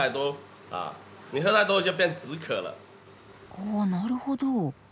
おなるほど。